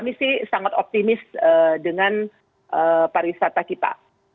jadi sangat optimis dengan pariwisata kita